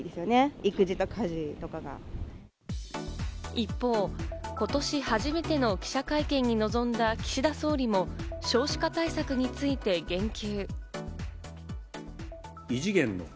一方、今年初めての記者会見に臨んだ岸田総理も少子化対策について言及。